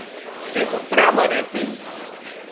زي زونپڙا مان ريتِي